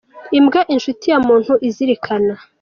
Imbwa, inshuti ya muntu izirikana